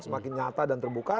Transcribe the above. semakin nyata dan terbuka